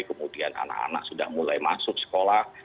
kemudian anak anak sudah mulai masuk sekolah